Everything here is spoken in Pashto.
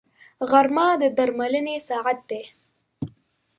غرمه د درملنې ساعت دی